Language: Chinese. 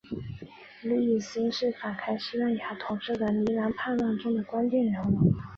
路易斯是反抗西班牙统治的尼德兰叛乱中关键人物。